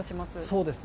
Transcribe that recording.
そうです。